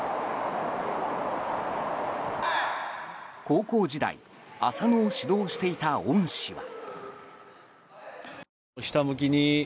高校時代浅野を指導していた恩師は。